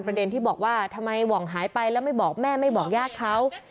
ประเด็นที่บอกว่าทำไมหว่องหายไปแล้วไม่บอกแม่ไม่บอกญาติเขา